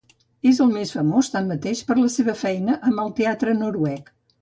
És més famós tanmateix per la seva feina amb el teatre noruec.